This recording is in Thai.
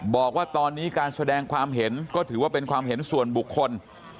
บอกว่าตอนนี้การแสดงความเห็นก็ถือว่าเป็นความเห็นส่วนบุคคล